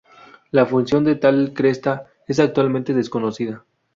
La función de tal cresta es actualmente desconocida.